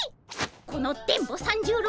この電ボ三十郎